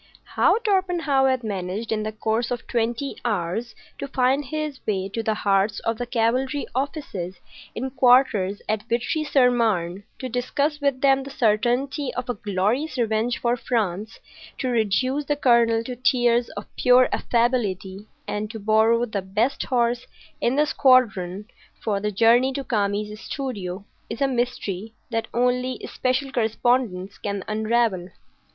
How Torpenhow had managed in the course of twenty hours to find his way to the hearts of the cavalry officers in quarters at Vitry sur Marne, to discuss with them the certainty of a glorious revenge for France, to reduce the colonel to tears of pure affability, and to borrow the best horse in the squadron for the journey to Kami's studio, is a mystery that only special correspondents can unravel.